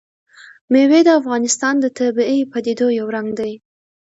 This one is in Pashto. مېوې د افغانستان د طبیعي پدیدو یو رنګ دی.